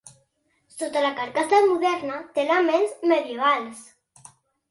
Sota la carcassa moderna té elements medievals.